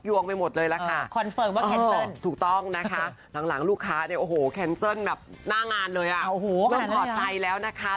ร่วมถอดใจแล้วนะคะ